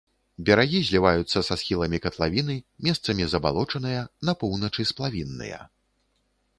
Берагі зліваюцца са схіламі катлавіны, месцамі забалочаныя, на поўначы сплавінныя.